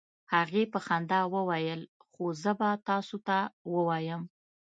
هغې په خندا وویل: "خو زه به تاسو ته ووایم،